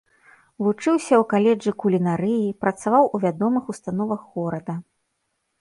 Вучыўся ў каледжы кулінарыі, працаваў у вядомых установах горада.